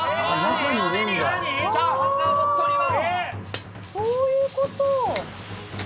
その上にチャーハンが踊っております。